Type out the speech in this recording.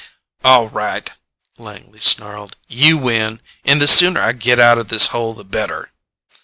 "All right," Langley snarled. "You win. And the sooner I get out of this hole the better."